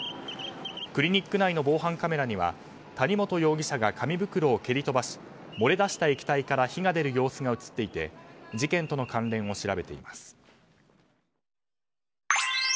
クリニック内の防犯カメラには谷本容疑者が紙袋を蹴り飛ばし燃え出した液体から火が出る様子が映っていて事件との関連を調べています。